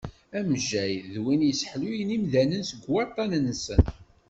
Amejjay d win yesseḥluyen imdanen seg waṭṭan-nsen.